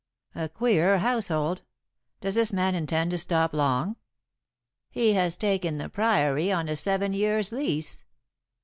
"A queer household. Does this man intend to stop long?" "He has taken the Priory on a seven years' lease."